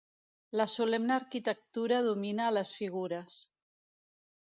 La solemne arquitectura domina les figures.